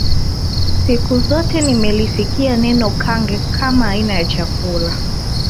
Siku zote nimelisikia neno Kange kama aina ya chakula